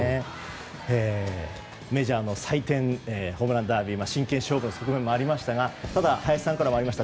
メジャーの祭典ホームランダービーは真剣勝負の側面もありましたが林さんからもありました